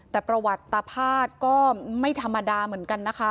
แต่ประวัติตาภาษณ์ก็ไม่ธรรมดาเหมือนกันนะคะ